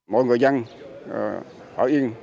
mọi người dân ở yên